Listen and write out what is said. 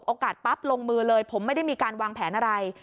ปั๊บลงมือเลยผมไม่ได้มีการวางแผนอะไร